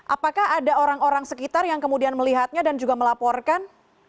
apakah ada orang orang sekitar yang kemudian melihatnya dan juga melaporkan